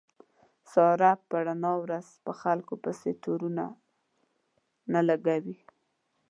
ساره په رڼا ورځ په خلکو پسې تورو نه لګوي.